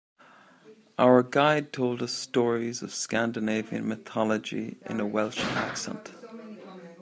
Our guide told us stories of Scandinavian mythology in a Welsh accent.